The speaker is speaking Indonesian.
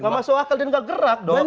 enggak masuk akal dan enggak gerak dong